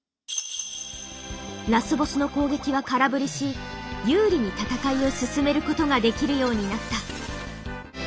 ラスボスの攻撃は空振りし有利に戦いを進めることができるようになった。